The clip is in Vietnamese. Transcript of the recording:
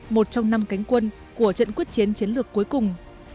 một trong năm cánh quân của trận quyết chiến chiến lược cuối cùng